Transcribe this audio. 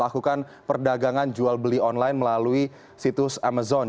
melakukan perdagangan jual beli online melalui situs amazon